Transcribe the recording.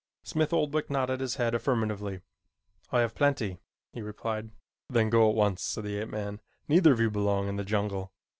Smith Oldwick nodded his head affirmatively. "I have plenty," he replied. "Then go at once," said the ape man. "Neither of you belong in the jungle."